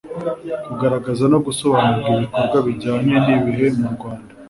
kugaragaza no gusobamura ibikorwa bijyanye n'ibihe mu rwanda